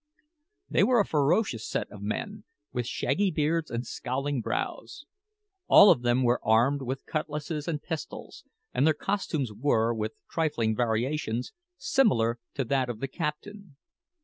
They were a ferocious set of men, with shaggy beards and scowling brows. All of them were armed with cutlasses and pistols, and their costumes were, with trifling variations, similar to that of the captain.